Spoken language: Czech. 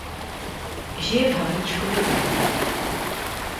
Žije v Havlíčkově Brodě.